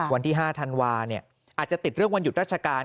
วันที่๕ธันวาอาจจะติดเรื่องวันหยุดราชการ